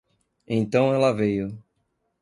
Então ela veio.